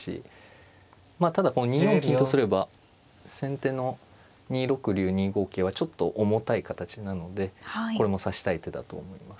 まあただ２四金とすれば先手の２六竜２五桂はちょっと重たい形なのでこれも指したい手だと思います。